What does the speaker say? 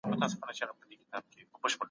رب دي سپوږمۍ